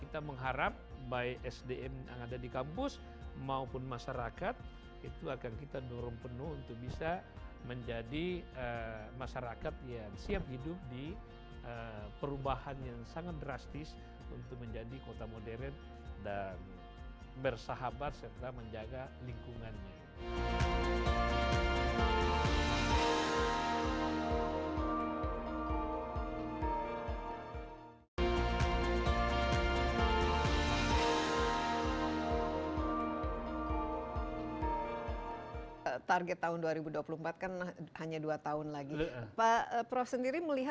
kita mengharap baik sdm yang ada di kampus maupun masyarakat itu akan kita dorong penuh untuk bisa menjadi masyarakat yang siap hidup di perubahan yang sangat drastis untuk menjadi kota modern dan bersahabat serta menjaga lingkungannya